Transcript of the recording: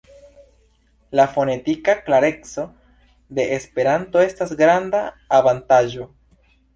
La fonetika klareco de Esperanto estas granda avantaĝo.